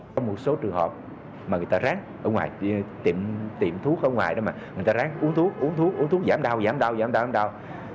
có một số trường hợp mà người ta ráng ở ngoài tiệm thuốc ở ngoài đó mà người ta ráng uống thuốc uống thuốc uống thuốc giảm đau giảm đau giảm đau